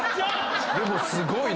でもすごいね。